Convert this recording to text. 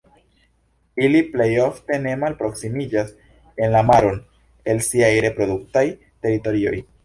Ili plej ofte ne malproksimiĝas en la maron el siaj reproduktaj teritorioj.